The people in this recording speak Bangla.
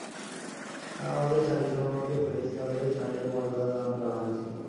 আর আমাদের সারিসমূহকে ফেরেশতাদের সারির মর্যাদা দান করা হয়েছে।